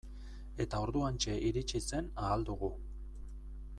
Eta orduantxe iritsi zen Ahal Dugu.